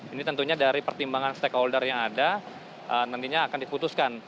ini tentunya dari pertimbangan stakeholder yang ada nantinya akan diputuskan